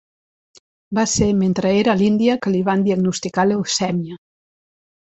Va ser mentre era a l'Índia que li van diagnosticar leucèmia.